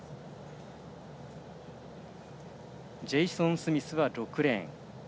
ジェイソン・スミスは６レーン。